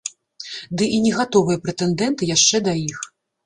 Ды і не гатовыя прэтэндэнты яшчэ да іх.